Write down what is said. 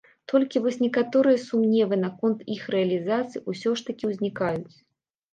Толькі вось некаторыя сумневы наконт іх рэалізацыі ўсё ж такі ўзнікаюць.